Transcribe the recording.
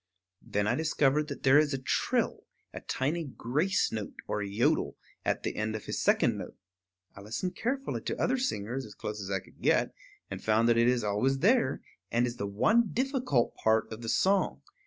Then I discovered that there is a trill, a tiny grace note or yodel, at the end of his second note. I listened carefully to other singers, as close as I could get, and found that it is always there, and is the one difficult part of the song.